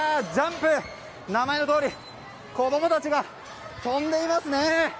名前のとおり子供たちが跳んでいますね。